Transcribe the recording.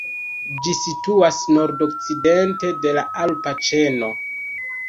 Ĝi situas nord-okcidente de la alpa ĉeno.